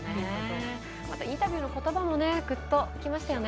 インタビューのことばもグッときましたよね。